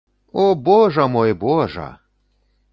О, божа мой, божа!